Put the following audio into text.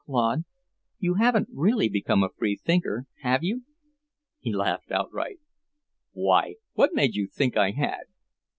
"Claude, you haven't really become a free thinker, have you?" He laughed outright. "Why, what made you think I had?"